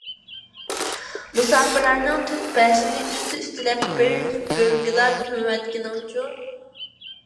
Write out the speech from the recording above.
مۇساپىرلارنىڭ تۆت - بەشىنى ئۈستى - ئۈستىلەپ بىر گۆرگىلا كۆمۈۋەتكىنىڭچۇ؟...